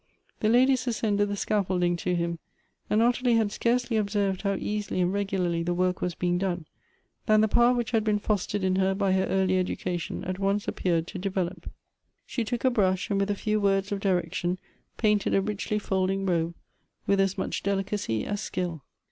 The ladies ascended the scaffolding to him, and Ottilie had scarcely observed how easily and regularly the work was being done, than the power which had been fostered in her by her early education at once appeared to develop. She took a brush, and with a few words of direction, jjainted a richly folding robe, with as much delicacy as skill.